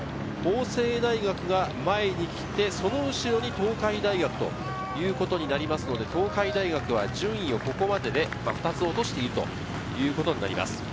法政大学が前に来て、その後ろに東海大学ということになりますので、東海大学は順位をここまでで２つ落としているということになります。